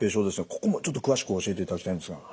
ここもちょっと詳しく教えていただきたいんですが。